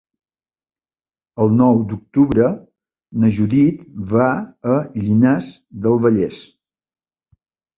El nou d'octubre na Judit va a Llinars del Vallès.